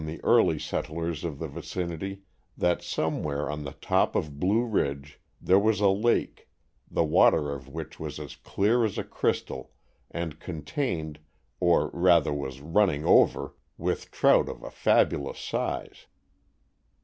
the early settlers of the vicinity that somewhere on the top of Blue Ridge there was a lake, the water of which was as clear as a crystal and contained, or rather was "running over" with trout of a fabulous size.